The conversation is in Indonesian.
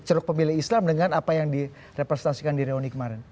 ceruk pemilih islam dengan apa yang direpresentasikan di reuni kemarin